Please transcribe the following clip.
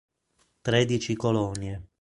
Tredici colonie